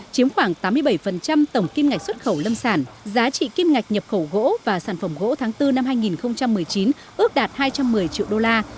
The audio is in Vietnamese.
chiếm khoảng tám mươi bảy tổng kim ngạch xuất khẩu lâm sản giá trị kim ngạch nhập khẩu gỗ và sản phẩm gỗ tháng bốn năm hai nghìn một mươi chín ước đạt hai trăm một mươi triệu đô la